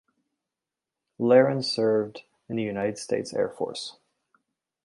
Laron served in the United States Air Force.